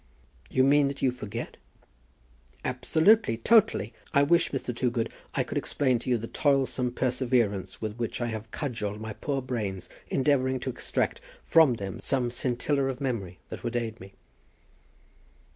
"You mean that you forget?" "Absolutely; totally. I wish, Mr. Toogood, I could explain to you the toilsome perseverance with which I have cudgelled my poor brains, endeavouring to extract from them some scintilla of memory that would aid me."